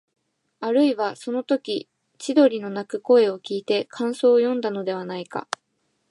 あるいは、そのとき千鳥の鳴く声をきいて感想をよんだのではないか、